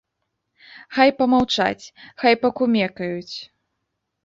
Хай памаўчаць, хай пакумекаюць.